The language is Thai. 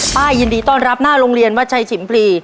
ป้ายินดีต้อนรับหน้าโรงเรียนวัดชัยฉิมพลี